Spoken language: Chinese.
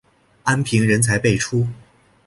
安平人才辈出。